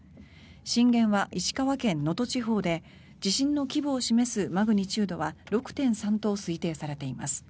震源は石川県能登地方で地震の規模を示すマグニチュードは６．３と推定されています。